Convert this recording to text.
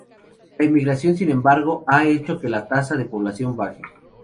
La emigración, sin embargo, ha hecho que la tasa de población baje.